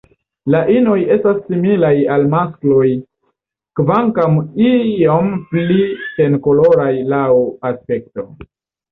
La inoj estas similaj al maskloj kvankam iom pli senkoloraj laŭ aspekto.